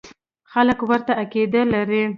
خلک ورته عقیده لري.